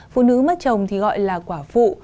phụ nữ mất chồng thì gọi là quả phụ